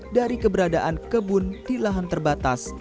dari keberadaan kebun di lahan terbatas